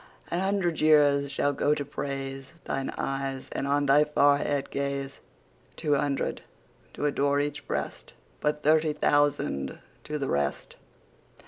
An hundred years should go to praiseThine Eyes, and on thy Forehead Gaze.Two hundred to adore each Breast:But thirty thousand to the rest.